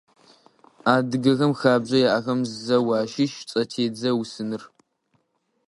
Адыгэхэм хабзэу яӀэхэм зэу ащыщ цӀэтедзэ усыныр.